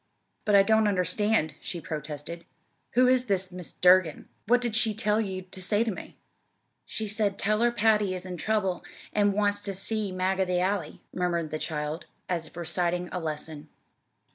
"But I don't understand," she protested. "Who is this Mrs. Durgin? What did she tell you to say to me?" "She said, 'Tell her Patty is in trouble an' wants ter see Mag of the Alley,'" murmured the child, as if reciting a lesson.